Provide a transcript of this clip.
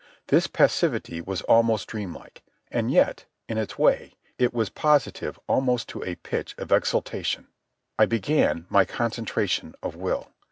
This passivity was almost dream like, and yet, in its way, it was positive almost to a pitch of exaltation. I began my concentration of will.